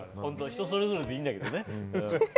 人それぞれでいいんだけどね。